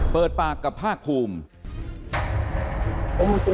เปิดปากกับภาคภูมิ